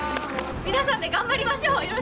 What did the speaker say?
皆さんで頑張りましょう！